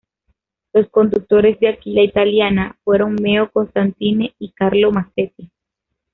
Los conductores de Aquila Italiana fueron Meo Constantini y Carlo Masetti.